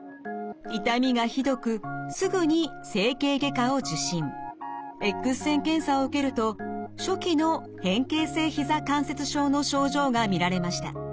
痛みがひどくエックス線検査を受けると初期の変形性ひざ関節症の症状が見られました。